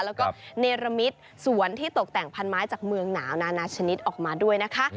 แล้วก็เนรมิตสวนที่ตกแต่งพันไม้จากเมืองหนาวนานาชนิดออกมาด้วยนะคะ